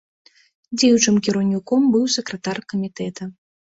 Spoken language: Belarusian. Дзеючым кіраўніком быў сакратар камітэта.